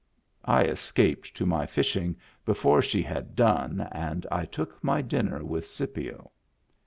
I escaped to my fishing before she had done and I took my dinner with Scipio.